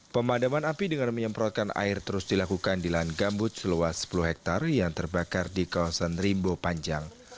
pemadaman api dengan menyemprotkan air terus dilakukan di lahan gambut seluas sepuluh hektare yang terbakar di kawasan rimbo panjang